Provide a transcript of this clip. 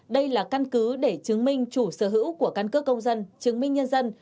đây là căn cứ để chứng minh chủ sở hữu của căn cước công dân chứng minh nhân dân